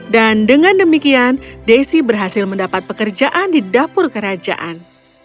dan dengan demikian daisy berhasil mendapat pekerjaan di dapur kerajaan